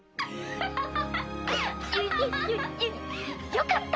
よかったね